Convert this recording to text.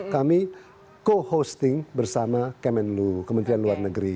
kami co hosting bersama kemenlu kementerian luar negeri